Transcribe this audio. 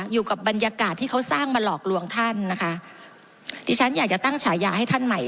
อยู่กับบรรยากาศที่เขาสร้างมาหลอกลวงท่านนะคะดิฉันอยากจะตั้งฉายาให้ท่านใหม่